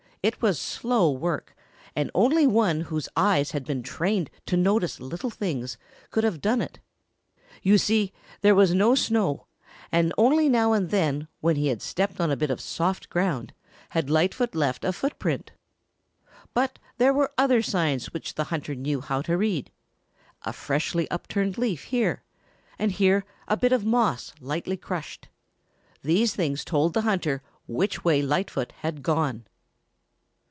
It was slow work, and only one whose eyes had been trained to notice little things could have done it. You see, there was no snow, and only now and then, when he had stepped on a bit of soft ground, had Lightfoot left a footprint. But there were other signs which the hunter knew how to read, a freshly upturned leaf here, and here, a bit of moss lightly crushed. These things told the hunter which way Lightfoot had gone.